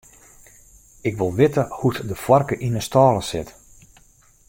Ik wol witte hoe't de foarke yn 'e stâle sit.